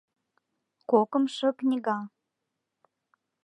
КОКЫМШО КНИГА